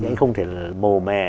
anh không thể mồ mè